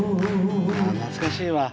懐かしいわ。